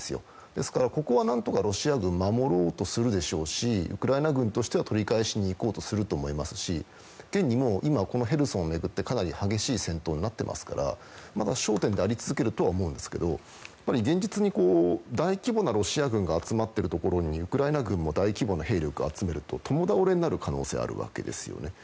ですから、ここは何とかロシア軍守ろうとするでしょうしウクライナ軍としては取り返しに行こうとすると思いますし、現に今へルソンを巡って激しい戦闘になっていますからまだ焦点であり続けるとは思うんですけど現実に大規模なロシア軍が集まっているところにウクライナ軍も大規模な兵力を集めると共倒れになる可能性があるわけですよね。